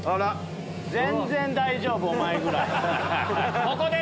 全然大丈夫お前ぐらい。